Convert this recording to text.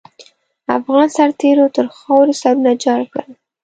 افغان سرتېرو تر خاروې سرونه جار کړل.